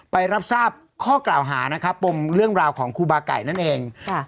ไปรับทราบข้อกล่าวหานะครับปมเรื่องราวของครูบาไก่นั่นเองค่ะ